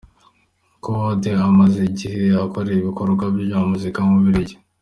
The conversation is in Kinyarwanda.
Kode amaze igihe akorera ibikorwa bye bya muzika mu Bubiligi.